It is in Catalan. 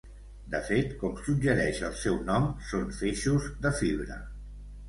De fet, com suggereix el seu nom, són feixos de fibra.